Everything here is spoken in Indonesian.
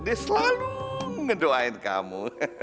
dia selalu ngedoain kamu